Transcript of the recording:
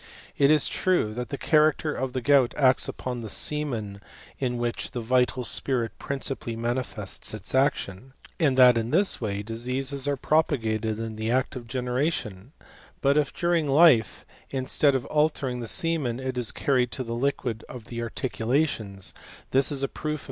It true that the character of the gout acts upon the men in which the vital spirit principally manifests action, and that in this way diseases are pro a the act of generation; but if, during '( instead of altering the semen it is carried to^ liquid of the articulations, this is a proof of.